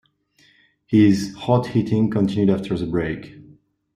His hot hitting continued after the break.